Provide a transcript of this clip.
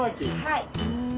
はい。